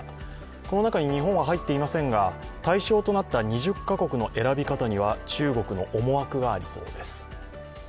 この中に日本は入っていませんが、対象となった２０か国の選び方には中国の思惑がありそうです。